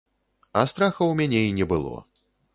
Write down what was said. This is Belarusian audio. А страха ў мяне і не было.